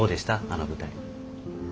あの舞台。